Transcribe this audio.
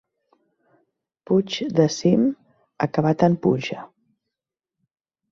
Puigs de cim acabat en punxa.